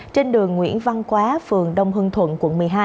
trên đường nguyễn văn quá phường đông hưng thuận quận một mươi hai